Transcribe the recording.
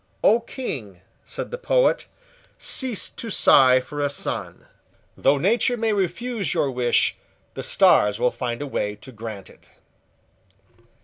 "O King," said the poet, "cease to sigh for a son. Though nature may refuse your wish, the stars will find a way to grant it."